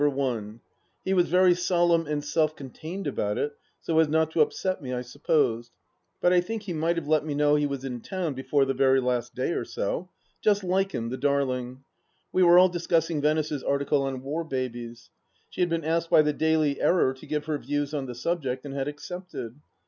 one. He was very solemn and self contained about it, so as not to upset me, I supposed; but I think he might have let me know he was in town before the very last day or so. Just like him, the darling 1 We were all discussing Venice's article on War Babies, She had been asked by the Daily Error to give her views on the subject, and had accepted.